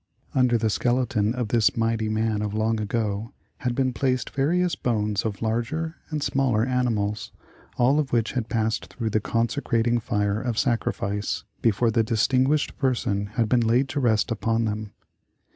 Under the skeleton of this mighty man of long ago, had been placed various bones of 10 The Forest Village larger and smaller animals, all of which had passed through the consecrating fire of sacrifice, before the dis tinguished person had been laid to rest upon them.